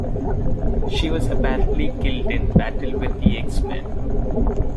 She was apparently killed in battle with the X-Men.